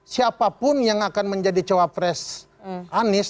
siapapun yang akan menjadi cowok fresh anies